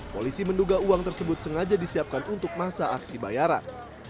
polisi menduga uang tersebut sengaja disiapkan untuk masa aksi bayaran